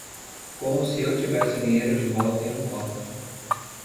Como se eu tivesse o dinheiro de volta em um cofre.